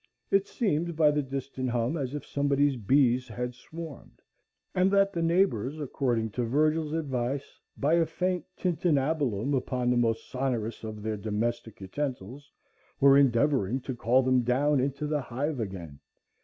It seemed by the distant hum as if somebody's bees had swarmed, and that the neighbors, according to Virgil's advice, by a faint tintinnabulum upon the most sonorous of their domestic utensils, were endeavoring to call them down into the hive again.